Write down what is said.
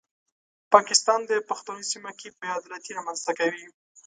پاکستان د پښتنو سیمه کې بې عدالتي رامنځته کوي.